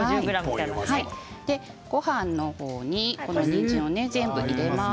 ごはんにこのにんじんを全部入れます。